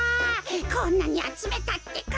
こんなにあつめたってか。